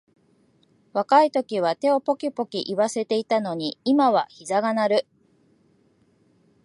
若いときは手をポキポキいわせていたのに、今はひざが鳴る